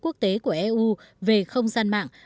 quốc tế của eu về không gian mạng